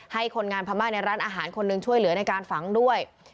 คนงานพม่าในร้านอาหารคนหนึ่งช่วยเหลือในการฝังด้วย